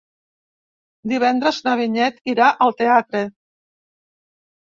Divendres na Vinyet irà al teatre.